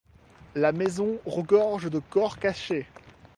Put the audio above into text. La maison regorge de corps cachés.